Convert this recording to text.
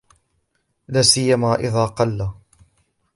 لَا سِيَّمَا إذَا قَلَّ